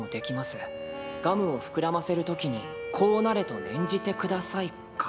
ガムを膨らませる時に『こうなれ！』と念じてください」か。